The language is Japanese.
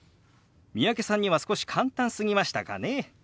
三宅さんには少し簡単すぎましたかね？